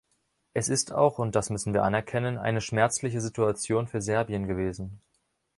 Es ist auch und das müssen wir anerkennen eine schmerzliche Situation für Serbien gewesen.